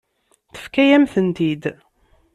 Tefka-yam-tent-id.